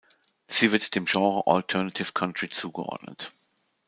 Sie wird dem Genre Alternative Country zugeordnet.